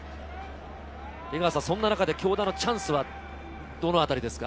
そんな中で京田のチャンスはどのあたりですか？